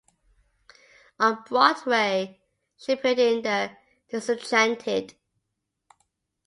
On Broadway she appeared in "The Disenchanted".